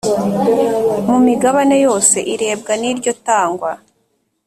mu migabane yose irebwa n iryo tangwa